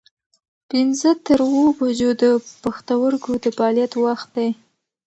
پنځه تر اووه بجو د پښتورګو د فعالیت وخت دی.